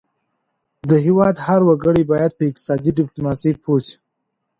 د هیواد هر وګړی باید په اقتصادي ډیپلوماسي پوه شي